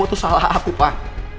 kamu tuh salah aku pak